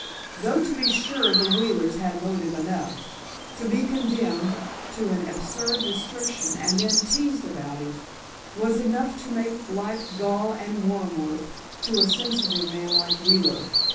Though, to be sure, the Wheelers had motive enough. To be condemned to an absurd restriction and then teased about it, was enough to make life gall and wormwood to a sensitive man like Wheeler.